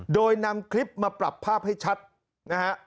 โดยนำคลิปมาปรับภาพให้ชัดนะฮะ